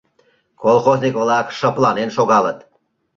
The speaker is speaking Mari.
Колхозник-влак шыпланен шогалыт.